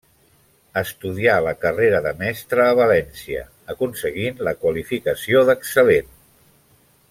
Estudià la carrera de mestra a València aconseguint la qualificació d'excel·lent.